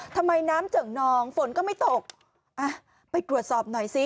ทำไมน้ำเจิ่งนองฝนก็ไม่ตกอ่ะไปตรวจสอบหน่อยสิ